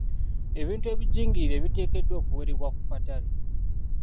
Ebintu ebijingirire biteekeddwa okuwerebwa ku katale.